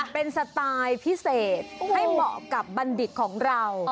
เป็นสไตล์พิเศษให้เหมาะกับบัณฑิตของเรา